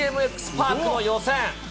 パークの予選。